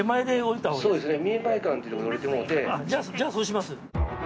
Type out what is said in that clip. じゃあそうします。